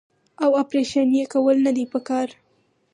او اپرېشن ئې کول نۀ دي پکار -